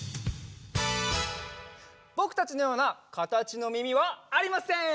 ぼくたちのようなかたちのみみはありません。